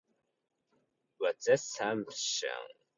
What's that smashing?